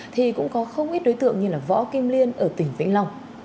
thì cũng có không ít đối tượng như võ kim liên ở tỉnh vĩnh long